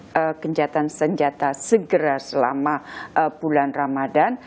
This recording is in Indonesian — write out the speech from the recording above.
jadi gencatan senjata segera selama bulan ramadan